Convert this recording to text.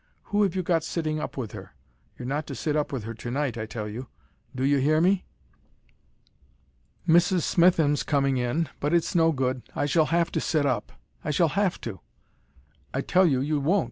Who have you got sitting up with her? You're not to sit up with her tonight, I tell you. Do you hear me?" "Miss Smitham's coming in. But it's no good I shall have to sit up. I shall HAVE to." "I tell you you won't.